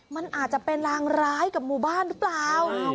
มันอาจจะเป็นรางร้ายกับหมู่บ้านหรือเปล่า